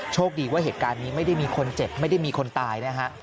โชคดีว่าเหตุการณ์นี้ไม่ได้มีคนเจ็บไม่ได้มีคนตายนะฮะ